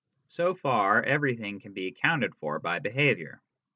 So far, everything can be accounted for by behaviour.